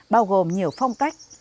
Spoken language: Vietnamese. bao gồm nhiều phong cách